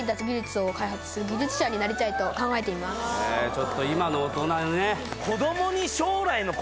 ちょっと今の大人のね